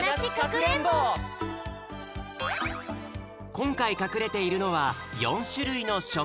こんかいかくれているのは４しゅるいのしょっき。